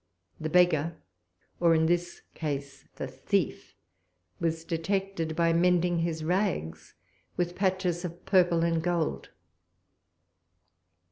The beggar, or in this case the thief, was detected by mending his rags with patches of purple and gold.